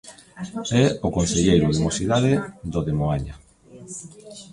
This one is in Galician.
É o concelleiro de Mocidade do de Moaña.